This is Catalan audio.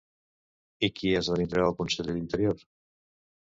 I qui esdevindrà el conseller d'Interior?